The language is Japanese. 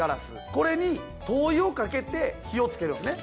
これに灯油をかけて火をつけるんですね